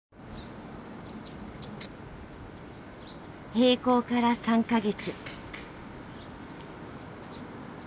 閉校から３か月。